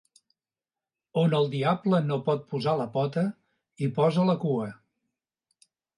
On el diable no pot posar la pota, hi posa la cua.